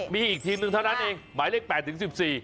มีอีกทีมหนึ่งเท่านั้นเองหมายเลข๘ถึง๑๔